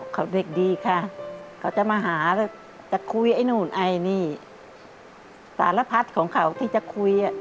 เขาเด็กดีค่ะเขาจะมาหาแล้วจะคุยไอ้นู่นไอ้นี่สารพัดของเขาที่จะคุย